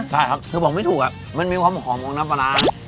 ใช่ครับคือบอกไม่ถูกมันมีความหอมของน้ำปลาร้า